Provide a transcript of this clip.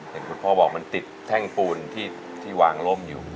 อย่างคุณพ่อบอกมันติดแท่งปูนที่วางล่มอยู่